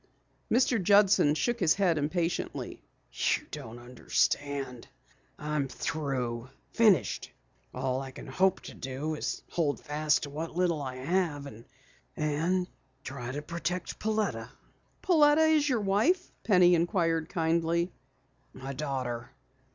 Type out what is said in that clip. Mr. Judson shook his head impatiently. "You don't understand. I am through finished. All I can hope to do is to hold fast to what little I have, and try to protect Pauletta." "Pauletta is your wife?" Penny inquired kindly. "My daughter.